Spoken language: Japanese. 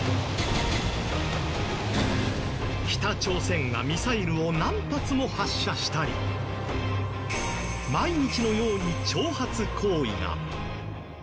北朝鮮がミサイルを何発も発射したり毎日のように挑発行為が。